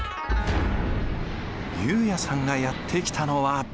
悠也さんがやって来たのは。